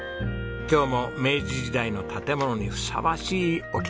今日も明治時代の建物にふさわしいお着物姿です。